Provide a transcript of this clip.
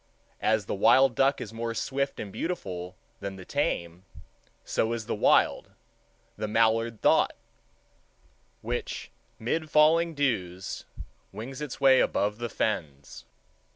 As the wild duck is more swift and beautiful than the tame, so is the wild—the mallard—thought, which 'mid falling dews wings its way above the fens.